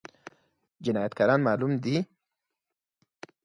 جنايتکاران معلوم دي؟